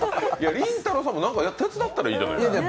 りんたろーさんもやったらいいじゃないですか。